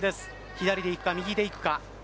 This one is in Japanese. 左でいくか、右でいくか。